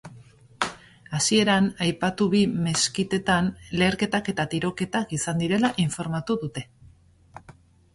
Hasieran, aipatu bi meskitetan leherketak eta tiroketak izan direla informatu dute.